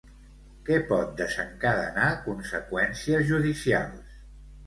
Què pot desencadenar conseqüències judicials?